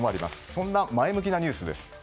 そんな前向きなニュースです。